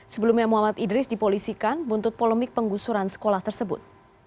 sebelumnya muhammad idris dipolisikan buntut polemik penggusuran sekolah tersebut